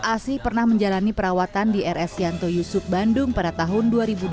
asih pernah menjalani perawatan di rs yanto yusuf bandung pada tahun dua ribu dua belas